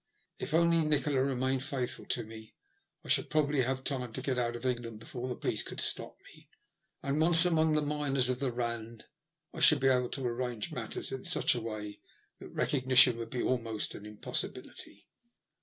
If only Nikola remained faithful to me I should probably have time to get out of England before the police could stop me, and, once among the miners of the Band, I should be able to arrange matters in such a way that recognition would be almost an 106 THE LUST OF HATE. impossibility.